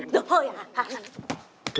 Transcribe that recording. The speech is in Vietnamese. dừng hơi hả